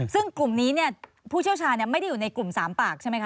ซึ่งกลุ่มนี้ผู้เชี่ยวชาญไม่ได้อยู่ในกลุ่ม๓ปากใช่ไหมคะ